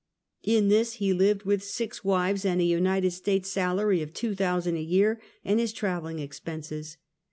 In this he lived with six wives, and a United States salary of two thousand a year and his traveling expenses.